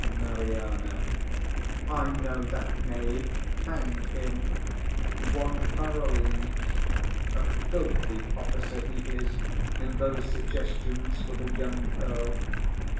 MARIANA. I know that knave; hang him! one Parolles; a filthy officer he is in those suggestions for the young earl.